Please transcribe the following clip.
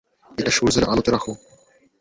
এটা সূর্যের আলোতে রাখো!